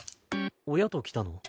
親と来たの？